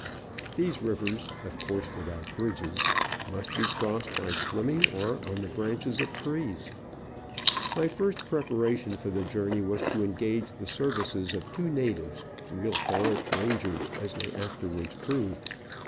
These rivers — of course without bridges — must be crossed by swimming or on the branches of trees. My first preparation for Digitized by VjOOQIC 64 Travels and Adventures the journey was to engage the services of two natives —real forest rangers as they afterwards proved.